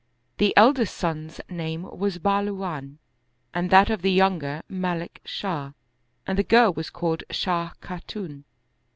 The elder son's name was Bahlu wan and that of the younger Malik Shah, and the girl was called Shah Khatun.